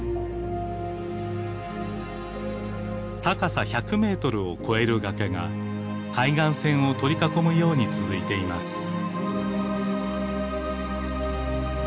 高さ１００メートルを超える崖が海岸線を取り囲むように続いています。